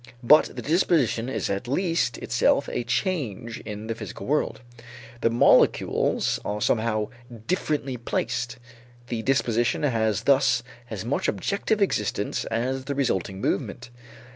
But the disposition is at least itself a change in the physical world. The molecules are somehow differently placed, the disposition has thus as much objective existence as the resulting movement.